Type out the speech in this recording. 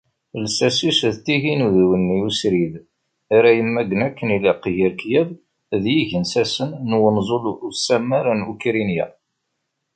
Llsas-is d tigin udiwenni usrid ara yemmagen akken ilaq gar Kiev d yigensasen n Wenẓul Usammar n Ukrinya.